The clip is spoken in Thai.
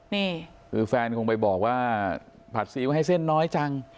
นี่คือแฟนคงไปบอกว่าผัดซีไว้ให้เส้นน้อยจัง